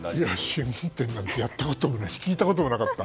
試運転なんてやったこともないし聞いたこともなかった。